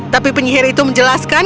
tapi penyihir itu menjelaskan